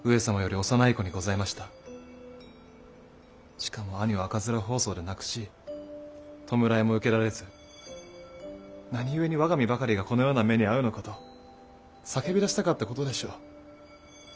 しかも兄を赤面疱瘡で亡くし弔いも受けられず何故に我が身ばかりがこのような目に遭うのかと叫びだしたかったことでしょう！